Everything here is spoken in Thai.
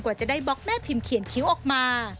จะได้บล็อกแม่พิมพ์เขียนคิ้วออกมา